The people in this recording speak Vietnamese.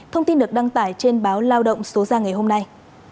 thông tin được đăng tải trên báo lao động số ra ngày hôm nay